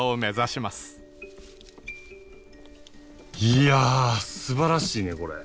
いやすばらしいねこれ。